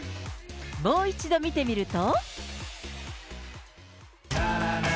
もう一度見てみると。